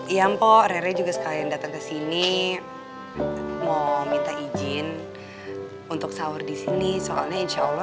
yang po rere juga sekalian datang ke sini mau minta izin untuk sahur disini soalnya insyaallah